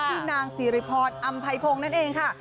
พี่นางศรีรพรอำภัยพงศ์นั่นเองค่ะ